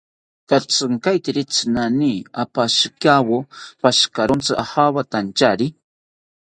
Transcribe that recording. Katzinkaeteri tsinani opashikantawo pashikawontzi ojawatanchari